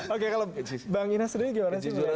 oke kalau bang inas sendiri gimana sih